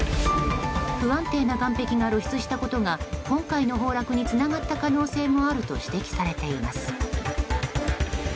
不安定な岸壁が露出したことが今回の崩落につながった可能性もあると指摘されています。